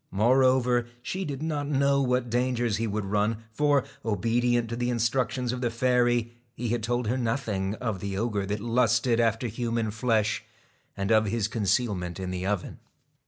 Moreover, she did not know what 8 dangers he would run, for, obedient to the instruc TACK tions of the fairy, he had told her nothing of the A1 J*JL JJ? E ogre that lusted after human flesh, and of his con cealment in the oven.